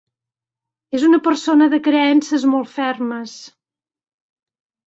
És una persona de creences molt fermes.